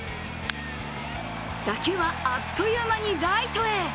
打球はあっという間にライトへ。